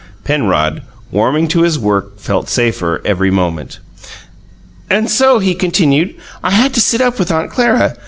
Penrod, warming to his work, felt safer every moment. "And so," he continued, "I had to sit up with Aunt Clara.